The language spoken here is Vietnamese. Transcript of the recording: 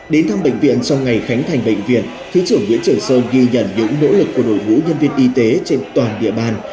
đến thăm bệnh viện trong ngày khánh thành bệnh viện thứ trưởng nguyễn trở sơn ghi nhận những nỗ lực của nội vũ nhân viên y tế trên toàn địa bàn